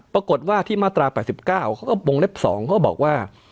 ปรากฏว่าที่มาตรา๘๙เขาก็วงเล็บ๒เขาบอกว่า